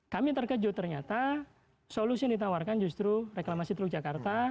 kami terkejut ternyata solusi yang ditawarkan justru reklamasi teluk jakarta